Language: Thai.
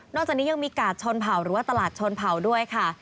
จากนี้ยังมีกาดชนเผ่าหรือว่าตลาดชนเผ่าด้วยค่ะ